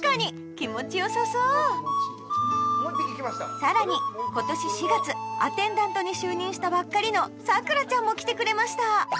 気持ち良さそうさらに今年４月アテンダントに就任したばっかりのさくらちゃんも来てくれました